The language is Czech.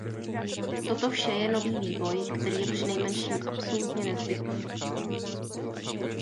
Toto vše je nový vývoj, který je přinejmenším absolutně nezbytný.